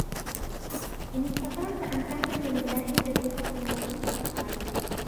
إنْ اسْتَطَعْت أَنْ تَعْمَلَ لِلَّهِ بِالرِّضَى فِي الْيَقِينِ فَافْعَلْ